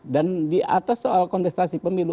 dan di atas soal kontestasi pemilu